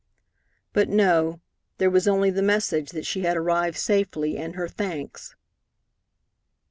But no, there was only the message that she had arrived safely, and her thanks.